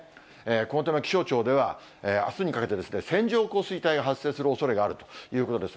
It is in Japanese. このため、気象庁ではあすにかけて、線状降水帯が発生するおそれがあるということです。